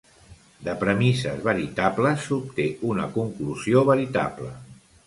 De premisses veritables s'obté una conclusió veritable.